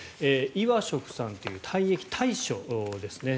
イワショフさんという退役大将ですね。